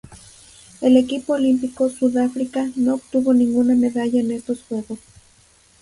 El equipo olímpico Sudáfrica no obtuvo ninguna medalla en estos Juegos.